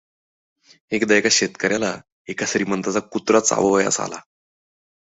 एकदा एका शेतकऱ्याला एका श्रीमंताचा कुत्रा चावावयास आला.